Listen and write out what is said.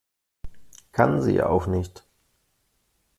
Kann sie ja auch nicht.